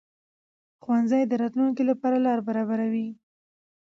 ښوونځی د راتلونکي لپاره لار برابروي